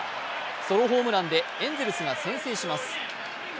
ソロホームランでエンゼルスが先制します。